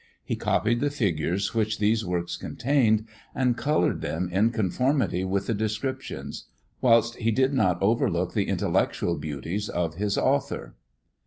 He copied the figures which these works contained, and coloured them in conformity with the descriptions; whilst he did not overlook the intellectual beauties of his author.